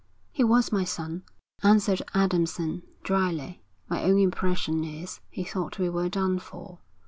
'He was, my son,' answered Adamson, drily. 'My own impression is, he thought we were done for.'